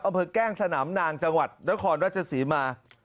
แกล้งสนามนางจังหวัดนครราชศรีมา